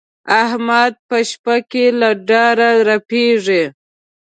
احمد په شپه کې له ډاره رپېږي.